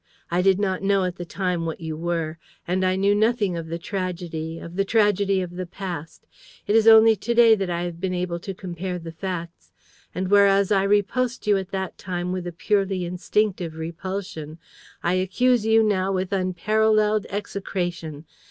I did not know at the time what you were ... and I knew nothing of the tragedy ... of the tragedy of the past. ... It is only to day that I have been able to compare the facts. And, whereas I repulsed you at that time with a purely instinctive repulsion, I accuse you now with unparalleled execration